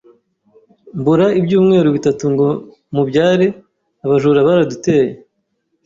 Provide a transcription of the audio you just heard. mbura ibyumweru bitatu ngo mubyare, abajura baraduteye